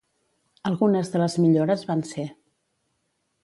Algunes de les millores van ser.